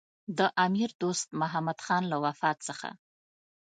د امیر دوست محمدخان له وفات څخه.